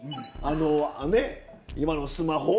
あのねっ今のスマホ。